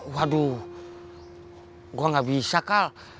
waduh gue gak bisa kah